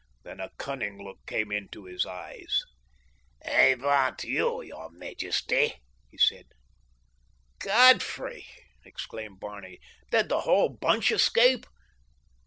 Then a cunning look came into his eyes. "I want you, your majesty," he said. "Godfrey!" exclaimed Barney. "Did the whole bunch escape?"